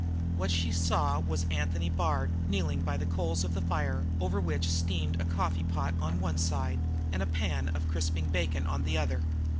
What she saw was Anthony Bard kneeling by the coals of the fire over which steamed a coffee pot on one side and a pan of crisping bacon on the other.